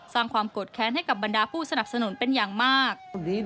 ความโกรธแค้นให้กับบรรดาผู้สนับสนุนเป็นอย่างมาก